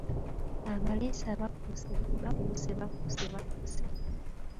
Abaliisa bakkuse, bakkuse bakkuse bakkuse.